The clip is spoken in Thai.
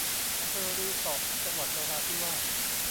อำเภอรือเสาะ จังหวัดนราธิวาส